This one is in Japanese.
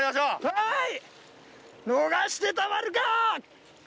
はい！